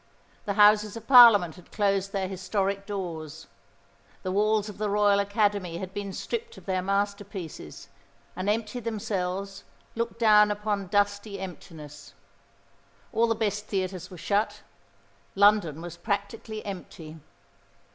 The Houses of Parliament had closed their historic doors. The walls of the Royal Academy had been stripped of their masterpieces, and empty themselves, looked down upon dusty emptiness. All the best theatres were shut; London was practically empty.